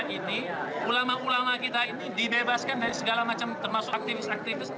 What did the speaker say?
ini ulama ulama kita ini dibebaskan dari segala macam termasuk aktivis aktivis